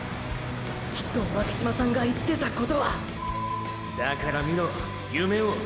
きっと巻島さんが言ってたことはだから見ろ夢を。